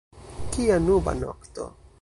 Kia nuba nokto!